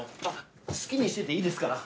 好きにしてていいですから。